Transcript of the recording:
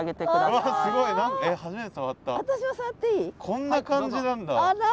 こんな感じなんだ。